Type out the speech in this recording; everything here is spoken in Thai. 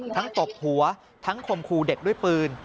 ตบหัวทั้งคมครูเด็กด้วยปืน